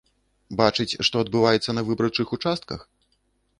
Бачыць, што адбываецца на выбарчых участках?